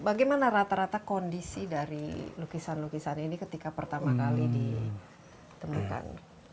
bagaimana rata rata kondisi dari lukisan lukisan ini ketika pertama kali ditemukan